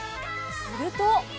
すると。